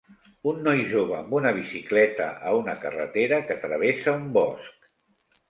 Un noi jove amb una bicicleta a una carretera que travessa un bosc.